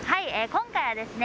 今回はですね